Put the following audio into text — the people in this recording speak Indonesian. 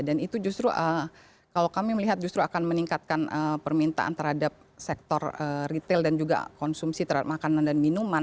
dan itu justru kalau kami melihat justru akan meningkatkan permintaan terhadap sektor retail dan juga konsumsi terhadap makanan dan minuman